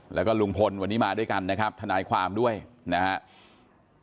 แล้วก็ลุงพลวันนี้มาด้วยกันนะครับทนายความด้วยนะครับ